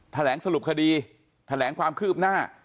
แถลงสรุปคดีแถลงความคืบหน้า